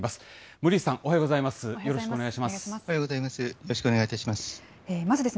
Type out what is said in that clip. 森内さん、おはようございます。